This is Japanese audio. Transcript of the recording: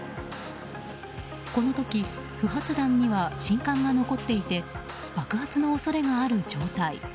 この時、不発弾には信管が残っていて爆発の恐れがある状態。